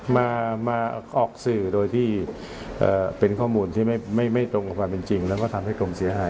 มาออกสื่อโดยที่เป็นข้อมูลที่ไม่ตรงกับความเป็นจริงแล้วก็ทำให้กลุ่มเสียหาย